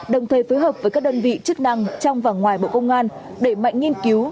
đồng thời phối hợp với các đơn vị chức năng trong và ngoài bộ công an đẩy mạnh nghiên cứu